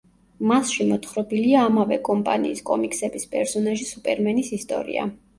მასში მოთხრობილია ამავე კომპანიის კომიქსების პერსონაჟი სუპერმენის ისტორია.